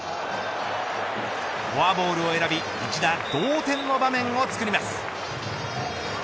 フォアボールを選び一打同点の場面をつくります。